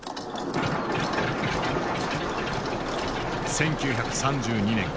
１９３２年。